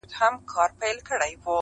تا سفر کړی دی بلې سیارې ته